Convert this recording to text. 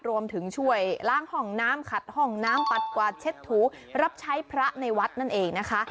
รวมถึงช่วยล้างห้องน้ำขัดห้องน้ำปัดกวาดเช็ดถูรับใช้พระในวัดนั่นเองนะคะ